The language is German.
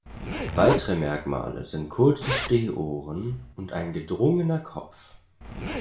Weitere Merkmale sind kurze Stehohren und ein gedrungener Kopf.